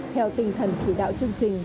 theo tình thần chỉ đạo chương trình